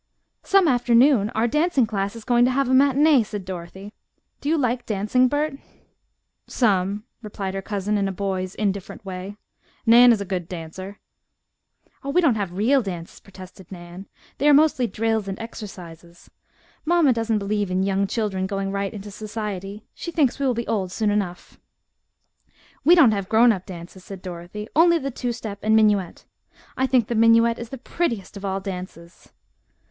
"Some afternoon our dancing class is going to have a matinee," said Dorothy. "Do you like dancing, Bert?" "Some," replied her cousin in a boy's indifferent way. "Nan is a good dancer." "Oh, we don't have real dances," protested Nan; "they are mostly drills and exercises. Mamma doesn't believe in young children going right into society. She thinks we will be old soon enough." "We don't have grown up dances," said Dorothy, "only the two step and minuet. I think the minuet is the prettiest of all dances."